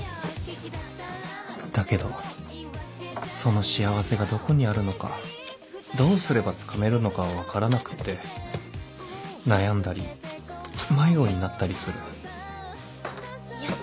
だけどその幸せがどこにあるのかどうすればつかめるのかは分からなくって悩んだり迷子になったりするよし！